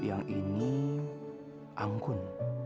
yang ini angkun